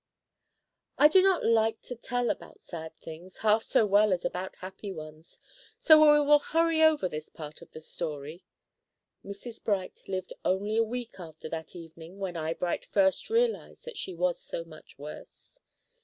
I do not like to tell about sad things half so well as about happy ones, so we will hurry over this part of the story. Mrs. Bright lived only a week after that evening when Eyebright first realized that she was so much worse.